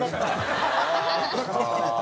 ハハハハ！